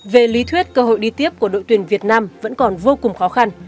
về lý thuyết cơ hội đi tiếp của đội tuyển việt nam vẫn còn vô cùng khó khăn